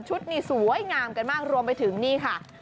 นี่สวยงามกันมากรวมไปถึงนี่ค่ะ